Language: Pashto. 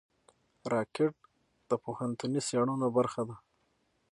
راکټ د پوهنتوني څېړنو برخه ده